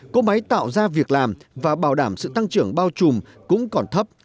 cố máy tạo ra việc làm và bảo đảm sự tăng trưởng bao trùm cũng còn thấp